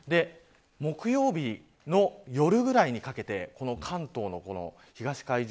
木曜日の夜ぐらいにかけて関東の東海上。